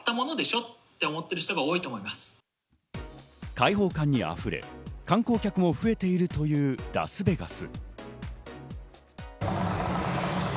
開放感に溢れ観光客も増えているというラスベガス。